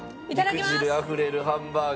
肉汁あふれるハンバーグ。